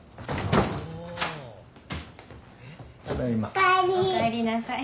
おかえりなさい。